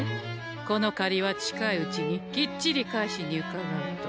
この借りは近いうちにきっちり返しにうかがうと。